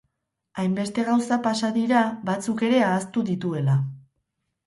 Hainbeste gauza pasa dira, batzuk ere ahaztu dituela.